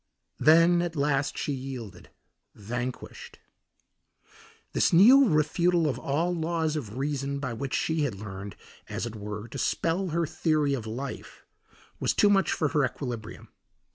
Then at last she yielded, vanquished. This new refutal of all laws of reason by which she had learned, as it were, to spell her theory of life, was too much for her equilibrium.